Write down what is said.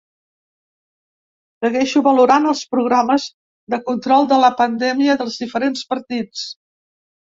Segueixo valorant els programes de control de la pandèmia dels diferents partits.